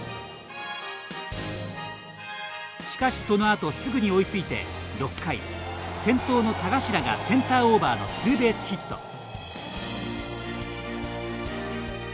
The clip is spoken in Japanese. しかし、その後すぐに追いついて６回、先頭の田頭がセンターオーバーのツーベースヒット。